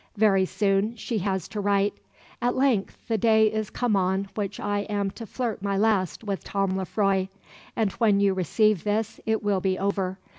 Very soon she has to write: "At length the day is come on which I am to flirt my last with Tom Lefroy, and when you receive this it will be over.